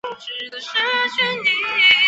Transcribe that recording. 恒基兆业地产主席李兆基同时是公司主席。